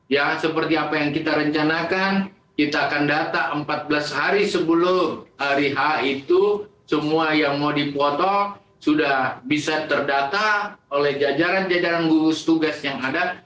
ya seperti apa yang kita rencanakan kita akan data empat belas hari sebelum hari h itu semua yang mau dipotong sudah bisa terdata oleh jajaran jajaran gugus tugas yang ada